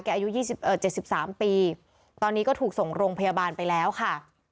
แก่อายุยี่สิบเอ่อเจ็ดสิบสามปีตอนนี้ก็ถูกส่งโรงพยาบาลไปแล้วค่ะ